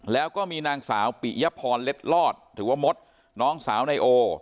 แล้วก็มีนางสาวปิยพรเล็ดลอดหรือว่ามดน้องสาวนายโอ